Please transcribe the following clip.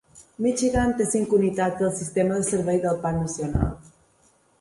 Michigan té cinc unitats del sistema de Servei del Parc Nacional.